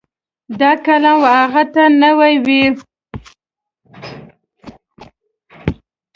دا قلم و هغه ته نی نه وي.